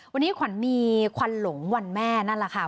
วันนี้ขวัญมีควันหลงวันแม่นั่นแหละค่ะ